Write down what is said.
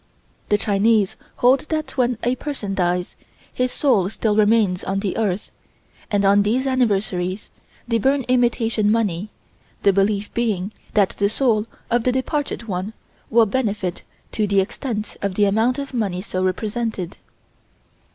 The Chinese hold that when a person dies, his soul still remains on the earth, and on these anniversaries they burn imitation money, the belief being that the soul of the departed one will benefit to the extent of the amount of money so represented.